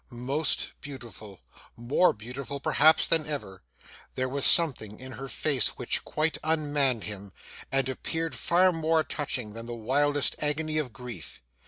Most beautiful more beautiful, perhaps, than ever there was something in her face which quite unmanned him, and appeared far more touching than the wildest agony of grief.